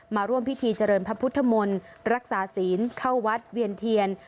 มาร่วมพิธีเจริญพระพุทธมนต์รักษาศีลเข้าวัดเวียนเทียน